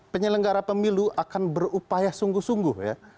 penyelenggara pemilu akan berupaya sungguh sungguh ya